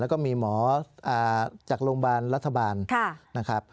แล้วก็มีหมอจากโรงพยาบาลรัฐบาลนะครับ